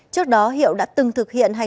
trước đó hiệu đã từng thử thách một bộ phòng